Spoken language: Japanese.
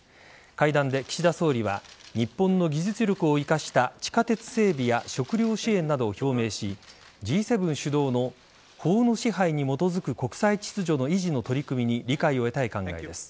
会談で岸田総理は日本の技術力を生かした地下鉄整備や食糧支援などを表明しＧ７主導の法の支配に基づく国際秩序の維持の取り組みに理解を得たい考えです。